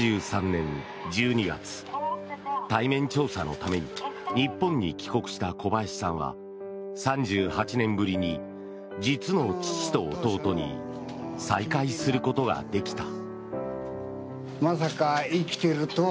１９８３年１２月対面調査のために日本に帰国した小林さんは３８年ぶりに実の父と弟に再会することができた。